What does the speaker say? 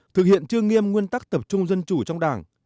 thực hiện chưa nghiêm nguyên tắc tập trung dân chủ trong đảng